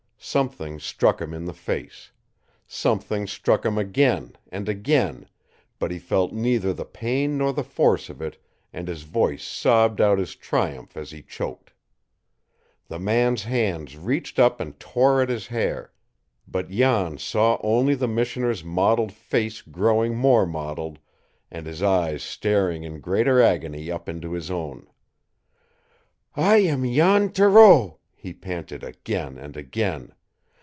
Something struck him in the face. Something struck him again and again, but he felt neither the pain nor the force of it, and his voice sobbed out his triumph as he choked. The man's hands reached up and tore at his hair; but Jan saw only the missioner's mottled face growing more mottled, and his eyes staring in greater agony up into his own. "I am Jan Thoreau," he panted again and again.